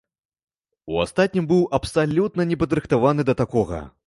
У астатнім быў абсалютна не падрыхтаваны да такога.